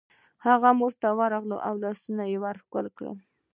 هغه مور ته ورغله او لاسونه یې ښکل کړل